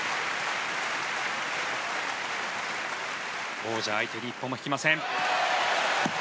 王者相手に一歩も引きません。